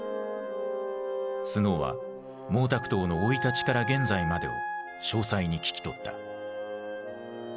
スノーは毛沢東の生い立ちから現在までを詳細に聞き取った。